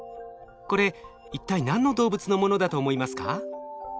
これ一体何の動物のものだと思いますか？